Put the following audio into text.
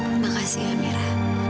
terima kasih hamira